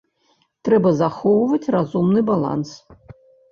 Трэба захоўваць разумны баланс.